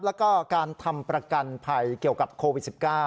แล้วก็การทำประกันภัยเกี่ยวกับโควิด๑๙